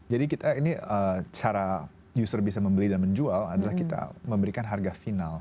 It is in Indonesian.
jadi kita ini cara user bisa membeli dan menjual adalah kita memberikan harga final